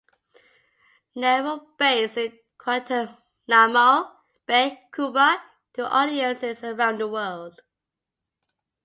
Naval Base in Guantanamo Bay, Cuba, to audiences around the world.